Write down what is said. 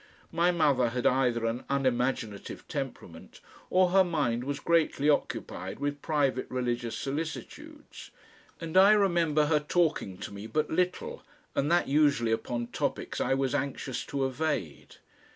My mother had either an unimaginative temperament or her mind was greatly occupied with private religious solicitudes, and I remember her talking to me but little, and that usually upon topics I was anxious to evade.